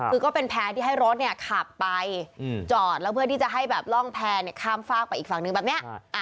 คือก็เป็นแพร่ที่ให้รถขับไปจอดแล้วเพื่อที่จะให้แบบร่องแพร่ข้ามฝากไปอีกฝั่งนึงแบบนี้